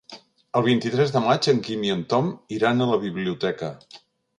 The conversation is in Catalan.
El vint-i-tres de maig en Guim i en Tom iran a la biblioteca.